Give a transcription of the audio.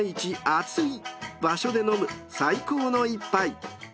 アツイ場所で飲む最高の一杯］